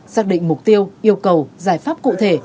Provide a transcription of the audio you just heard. xác định mục tiêu yêu cầu giải pháp cụ thể